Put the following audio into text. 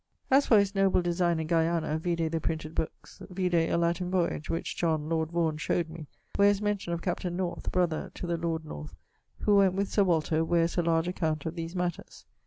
As for his noble design in Guiana, vide the printed bookes. Vide a Latin voyage which John, lord Vaughan, showed me, where is mention of captaine North (brother to the lord North) who went with Sir Walter, where is a large account of these matters.